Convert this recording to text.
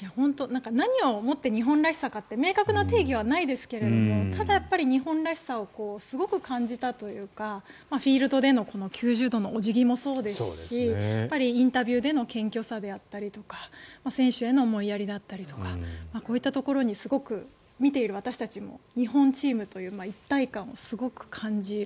何をもって日本らしさかって明確な定義はないですがただ、日本らしさをすごく感じたというかフィールドでの９０度のお辞儀もそうですしインタビューでの謙虚さであったりとか選手への思いやりだったりとかこういうところにすごく見ている私たちも日本チームという一体感をすごく感じる。